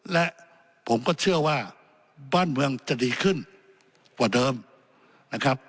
และผมก็เชื่อว่าบ้านเมืองจะดีขึ้นกว่าเดิมนะครับ